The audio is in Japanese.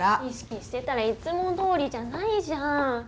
意識してたらいつもどおりじゃないじゃん。